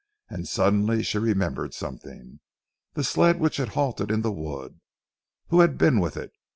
And suddenly she remembered something. That sled which had halted in the wood. Who had been with it?